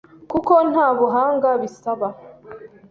kuko nta buhanga bisaba